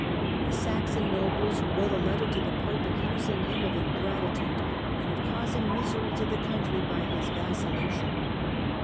The Saxon nobles wrote a letter to the pope accusing him of ingratitude, and of causing misery to the country by his vacillation.